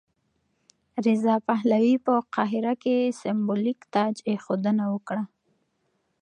رضا پهلوي په قاهره کې سمبولیک تاجاېښودنه وکړه.